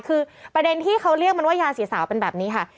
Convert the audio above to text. คือประเด็นที่เขาเรียกมันว่ายาสีสาวเป็นแบบนี้ค่ะ